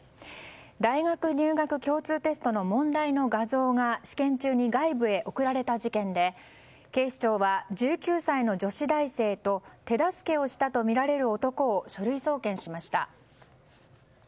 大学入学共通テストの問題の画像が試験中に外部へ送られた事件で警視庁は１９歳の女子大生と手助けをしたとみられる男を書類送検しました。